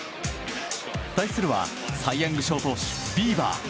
対するはサイ・ヤング賞投手ビーバー。